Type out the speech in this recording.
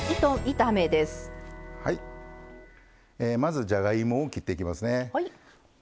まずじゃがいもを切っていきますね。